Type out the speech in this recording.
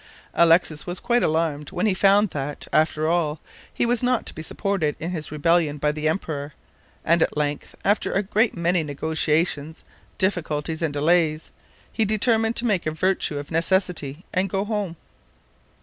Alexis was quite alarmed when he found that, after all, he was not to be supported in his rebellion by the emperor, and at length, after a great many negotiations, difficulties, and delays, he determined to make a virtue of necessity and to go home.